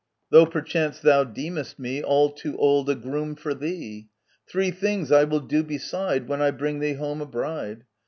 * Though perchance thou deemest me All too old a groom for thee, Three things I will do beside When I bring thee home a bride.